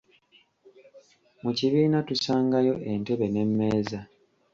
Mu kibiina tusangayo entebe n'emmeeza.